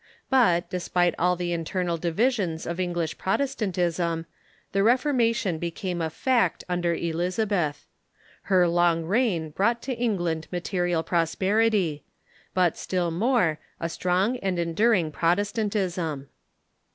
But, despite all the internal divisions of English Protestantism, the Reforma tion became a fact under Elizabeth. Her long reign brought to England material prosperity ; but, still more, a strong and enduring Protestantism.